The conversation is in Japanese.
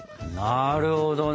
なるほどね！